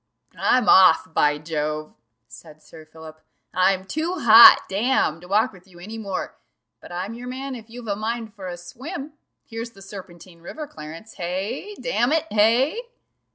"I'm off, by Jove!" said Sir Philip. "I'm too hot, damme, to walk with you any more but I'm your man if you've a mind for a swim here's the Serpentine river, Clarence hey? damn it! hey?"